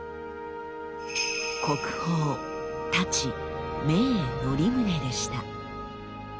国宝「太刀銘則宗」でした。